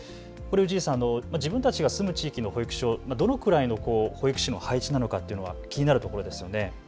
氏家さん、自分たちが住む地域の保育所、どのくらいの保育士の配置なのかというのが気になるところですよね。